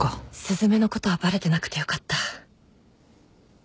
雀のことはバレてなくてよかった